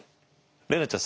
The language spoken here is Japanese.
怜奈ちゃん。